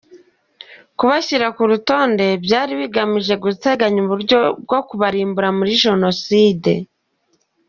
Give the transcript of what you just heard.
Kubashyira ku rutonde byari bigamije guteganya uburyo bwo kubarimbura muri jenoside.